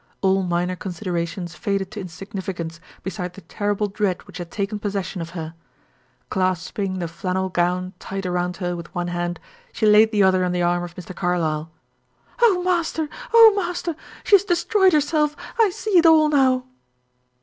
All minor considerations faded to insignificance beside the terrible dread which had taken possession of her. Clasping the flannel gown tight around her with one hand, she laid the other on the arm of Mr. Carlyle. "Oh, master! Oh, master! She has destroyed herself! I see it all now."